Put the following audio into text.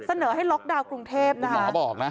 เสนอให้ล็อกดาวน์กรุงเทพฯนะคะ